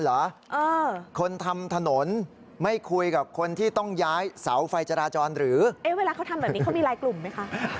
เวลาเขาทำแบบนี้เขามีลายกลุ่มไหมคะ